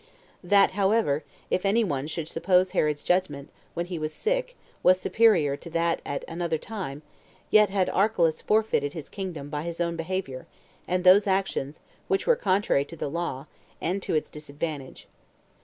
That, however, if any one should suppose Herod's judgment, when he was sick, was superior to that at another time, yet had Archelaus forfeited his kingdom by his own behavior, and those his actions, which were contrary to the law, and to its disadvantage.